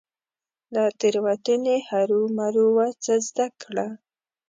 له تيروتني هرمروه څه زده کړه .